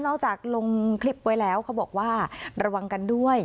จากลงคลิปไว้แล้วเขาบอกว่าระวังกันด้วย